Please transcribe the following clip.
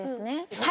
はい。